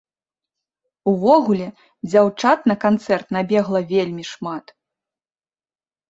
Увогуле, дзяўчат на канцэрт набегла вельмі шмат.